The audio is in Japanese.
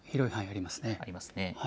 ありますね。